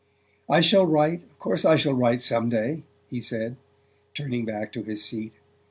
"I shall write of course I shall write some day," he said, turning back to his seat.